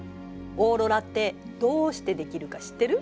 オーロラってどうして出来るか知ってる？